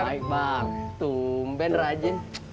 baik pak tumben rajin